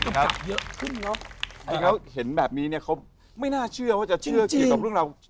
ที่เขาเห็นแบบนี้เนี่ยไม่น่าเชื่อว่าจะเชื่อกี่ตำรวงเรา